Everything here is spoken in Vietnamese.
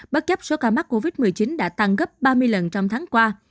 bất chấp số ca mắc covid một mươi chín đã tăng gấp ba mươi lần trong tháng qua